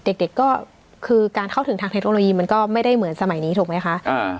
เด็กเด็กก็คือการเข้าถึงทางเทคโนโลยีมันก็ไม่ได้เหมือนสมัยนี้ถูกไหมคะ